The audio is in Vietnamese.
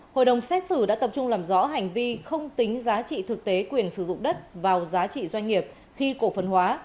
hội đồng xét xử đã tập trung làm rõ hành vi không tính giá trị thực tế quyền sử dụng đất vào giá trị doanh nghiệp khi cổ phần hóa